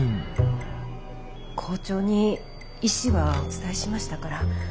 校長に意思はお伝えしましたから。